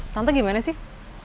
tante gimana sih